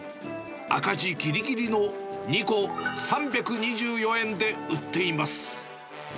赤字ぎりぎりの２個３２４円で売っています。